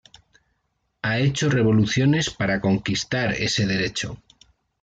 Ha hecho revoluciones para conquistar ese derecho.